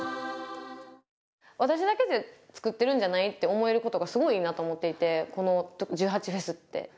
私だけで作ってるんじゃないって思えることがすごいいいなと思っていてこの１８祭って。